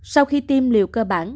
sau khi tiêm liều cơ bản